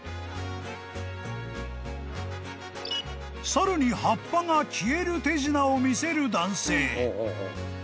［猿に葉っぱが消える手品を見せる男性］